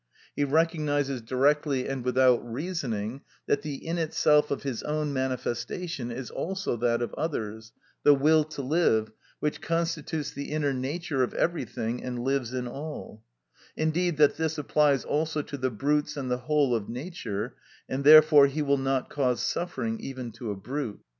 He recognises directly and without reasoning that the in itself of his own manifestation is also that of others, the will to live, which constitutes the inner nature of everything and lives in all; indeed, that this applies also to the brutes and the whole of nature, and therefore he will not cause suffering even to a brute.